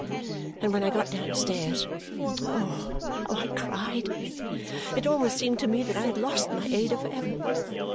And when I got downstairs, oh, how I cried! It almost seemed to me that I had lost my Ada for ever.